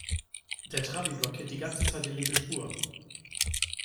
Der Trabi blockiert die ganze Zeit die linke Spur.